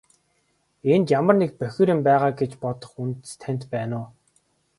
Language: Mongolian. Энд ямар нэг бохир юм байгаа гэж бодох үндэс танд байна уу?